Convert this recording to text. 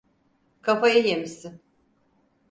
Kafayı yemişsin!